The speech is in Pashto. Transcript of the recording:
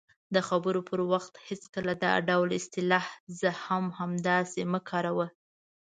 -د خبرو پر وخت هېڅکله دا ډول اصطلاح"زه هم همداسې" مه کاروئ :